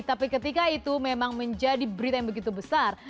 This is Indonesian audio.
tapi ketika itu memang menjadi berita yang begitu besar